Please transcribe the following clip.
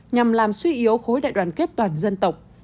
nhằm làm suy yếu khối đại đoàn kết toàn dân tộc